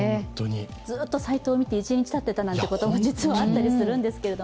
ずっとサイトを見ていて一日たっていたなんてことも実はあったりするんですけど。